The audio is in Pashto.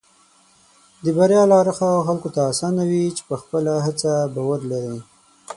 د بریا لار هغه خلکو ته اسانه وي چې په خپله هڅه باور لري.